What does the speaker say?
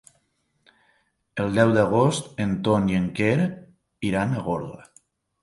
El deu d'agost en Ton i en Quer iran a Gorga.